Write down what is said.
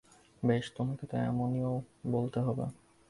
বেশ তোমাকে তো এমনি ও বলতে হবে।